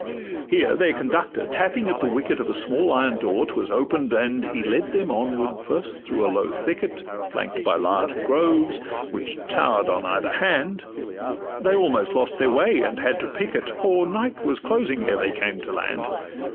Here their conductor tapping at the wicket Of a small iron door, 'twas open'd, and He led them onward, first through a low thicket Flank'd by large groves, which tower'd on either hand: They almost lost their way, and had to pick it— For night was dosing ere they came to land.